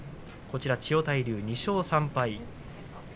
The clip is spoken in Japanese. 千代大龍は２勝３敗。